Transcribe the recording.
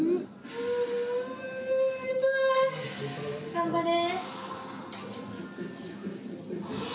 頑張れ！